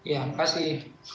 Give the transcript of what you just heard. ya terima kasih